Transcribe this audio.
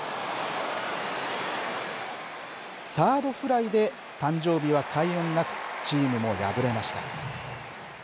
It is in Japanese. サードフライで誕生日は快音なくチームも敗れました。